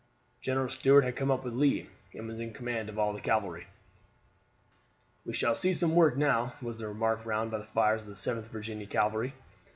General Stuart had come up with Lee, and was in command of all the cavalry. "We shall see some work now," was the remark round the fires of the 7th Virginian Cavalry.